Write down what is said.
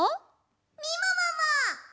みももも。